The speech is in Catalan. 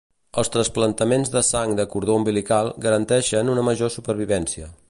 Els trasplantaments de sang de cordó umbilical garanteixen una major supervivència.